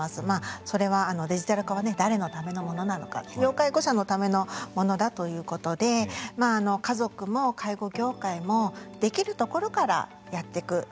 まあそれはデジタル化はね誰のためのものなのか要介護者のためのものだということでまあ家族も介護業界もできるところからやってく